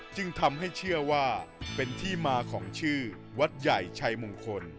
จึงทำให้เชื่อว่าเป็นที่มาของชื่อวัดใหญ่ชัยมงคล